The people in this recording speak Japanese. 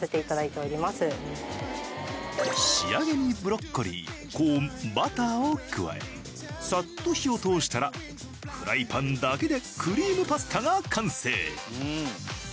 仕上げにブロッコリーコーンバターを加えサッと火を通したらフライパンだけでクリームパスタが完成。